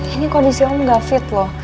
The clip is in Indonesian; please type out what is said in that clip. ini kondisi om gak fit loh